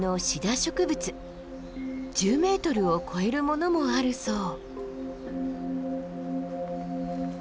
１０ｍを超えるものもあるそう。